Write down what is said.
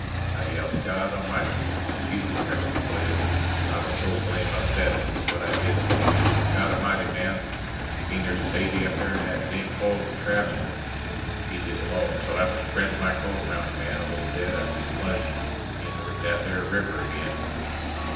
I yelped, "Godamighty!" 'Scuse me, Rev'rend, but I was so blame upset that's just what I did say, "Godamighty, man, you mean there's a baby in that there dingfol contraption?" He just moaned so after spreadin' my coat around the man a little bit I just plunged in that there river again.